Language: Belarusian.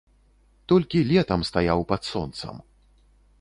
Толькі летам стаяў пад сонцам.